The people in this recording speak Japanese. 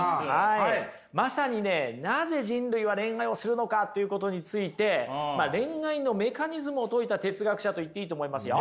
まさにねなぜ人類は恋愛をするのかということについてまあ恋愛のメカニズムを解いた哲学者と言っていいと思いますよ。